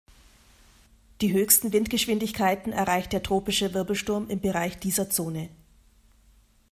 Die höchsten Windgeschwindigkeiten erreicht der tropische Wirbelsturm im Bereich dieser Zone.